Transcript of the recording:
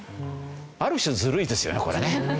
ある種ずるいですよねこれね。